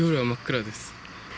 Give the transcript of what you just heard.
夜は真っ暗です。